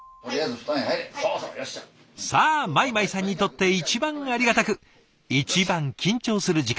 さあ米舞さんにとって一番ありがたく一番緊張する時間。